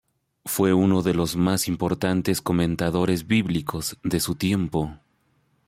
Fue uno de los más importantes comentadores bíblicos de su tiempo.